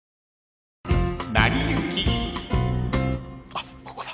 あっここだ。